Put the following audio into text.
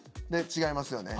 違いますよね？